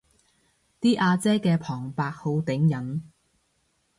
啲阿姐嘅旁白好頂癮